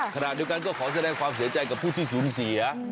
ขณะเดียวกันก็ขอแสดงความเสียใจกับผู้ที่สูญเสีย